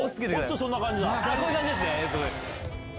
こういう感じです。